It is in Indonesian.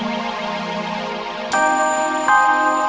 aku di rumah kan